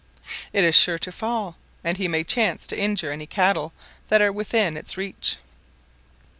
It is sure to fall, and may chance to injure any cattle that are within its reach.